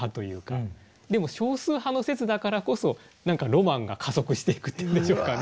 でも少数派の説だからこそ何かロマンが加速していくっていうんでしょうかね。